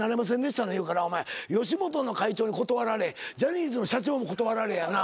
言うからお前吉本の会長に断られジャニーズの社長も断られやな。